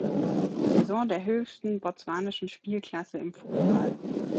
Saison der höchsten botswanischen Spielklasse im Fußball.